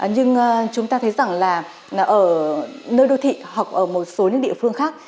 nhưng chúng ta thấy rằng là ở nơi đô thị hoặc ở một số những địa phương khác